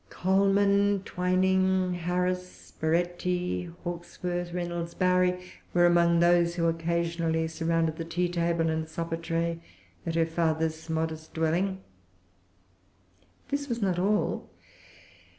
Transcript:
Colman, Twining, Harris, Baretti, Hawkesworth, Reynolds, Barry, were among those who occasionally surrounded the tea table[Pg 338] and supper tray at her father's modest dwelling. This was not all.